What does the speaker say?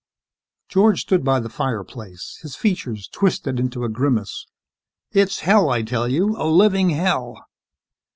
George stood by the fireplace, his features twisted into a grimace. "It's hell, I tell you. A living hell."